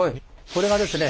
これがですね